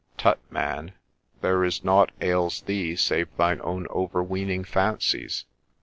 ' Tut, man, there is nought ails thee save thine own overweening fancies.